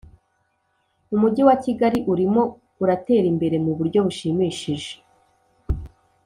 Umujyi wa kigali urimo uratera imbere muburyo bushimishishije